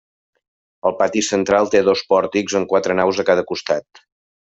El pati central té dos pòrtics amb quatre naus a cada costat.